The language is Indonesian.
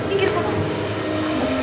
inggir kau bangun